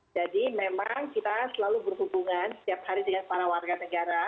jadi memang kita selalu berhubungan setiap hari dengan para warga negara